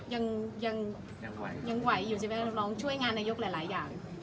ยังไหวอยู่ที่แม่งช่วยงานนายกหลายอย่าง